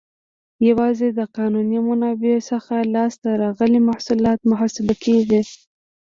یوازې د قانوني منابعو څخه لاس ته راغلي محصولات محاسبه کیږي.